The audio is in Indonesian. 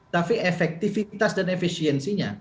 tapi efektivitas dan efisiensinya